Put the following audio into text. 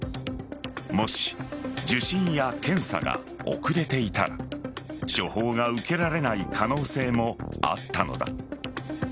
もし、受診や検査が遅れていたら処方が受けられない可能性もあったのだ。